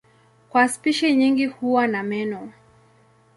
Kwa spishi nyingi huwa na meno.